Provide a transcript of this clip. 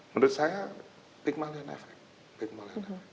menurut saya pygmalion effect